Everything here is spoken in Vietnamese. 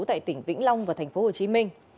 tại tỉnh vĩnh long và thành phố hồ chí minh